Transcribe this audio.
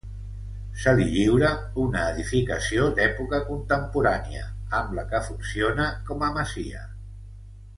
Se li lliura una edificació d'època contemporània, amb la que funciona com a masia.